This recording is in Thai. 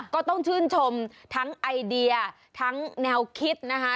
ก็ต้องชื่นชมทั้งไอเดียทั้งแนวคิดนะคะ